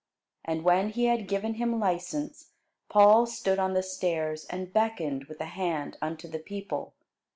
And when he had given him licence, Paul stood on the stairs, and beckoned with the hand unto the people.